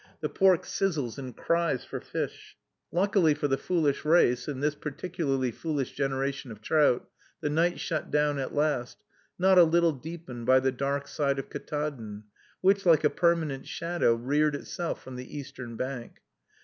The pork sizzles and cries for fish. Luckily for the foolish race, and this particularly foolish generation of trout, the night shut down at last, not a little deepened by the dark side of Ktaadn, which, like a permanent shadow, reared itself from the eastern bank.